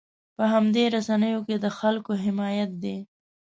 په همدې رسنیو کې د خلکو حمایت دی.